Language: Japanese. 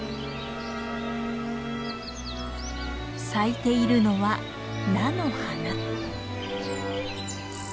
咲いているのは菜の花。